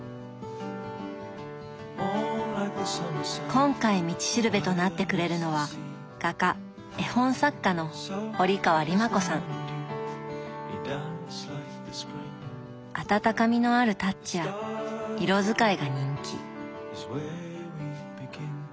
今回「道しるべ」となってくれるのはあたたかみのあるタッチや色使いが人気。